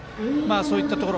そういったところ。